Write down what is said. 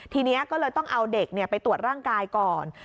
ทีนี้ก็เลยต้องเอาเด็กไปตรวจร่างกายก่อน